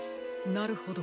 なるほど。